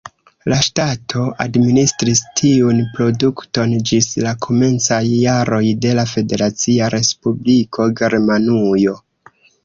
La ŝtato administris tiun produkton ĝis la komencaj jaroj de la Federacia Respubliko Germanujo.